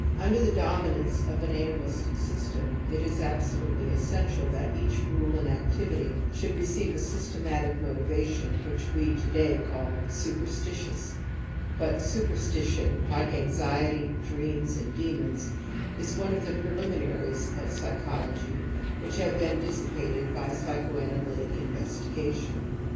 yJJnder the \ dominance of an animistic system it is absolutely ^ J essential that each rule and activity should I receive a systematic motivation which we to day call * superstitious '•) But * superstition ', like f*^ anxiety ',' dreams ', and ' demons ', is one of the preliminaries of psychology which have been dissipated by psychoanalytic investigation.